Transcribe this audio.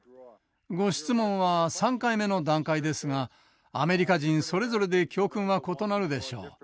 ご質問は３回目の段階ですがアメリカ人それぞれで教訓は異なるでしょう。